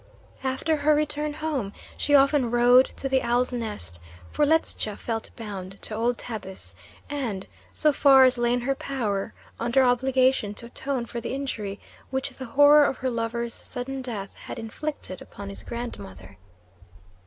After her return home she often rowed to the Owl's Nest, for Ledscha felt bound to old Tabus, and, so far as lay in her power, under obligation to atone for the injury which the horror of her lover's sudden death had inflicted upon his grandmother.